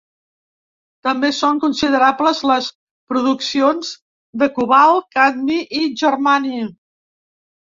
També són considerables les produccions de cobalt, cadmi i germani.